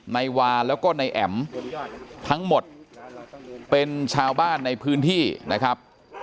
นายวาแล้วก็นายแอ๋มทั้งหมดเป็นชาวบ้านในพื้นที่นะครับ